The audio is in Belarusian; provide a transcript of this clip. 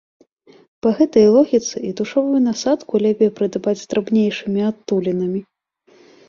Па гэтай логіцы і душавую насадку лепей прыдбаць з драбнейшымі адтулінамі.